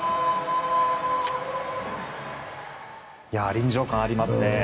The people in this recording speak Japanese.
臨場感ありますね。